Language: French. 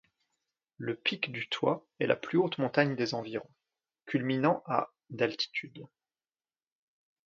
Le pic Du Toits est la plus haute montagne des environs, culminant à d'altitude.